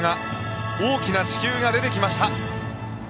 大きな地球が出てきました。